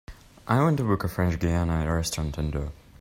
I want to book a French Guiana restaurant indoor.